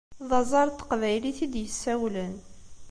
D aẓaṛ n teqbaylit i d-yessawlen!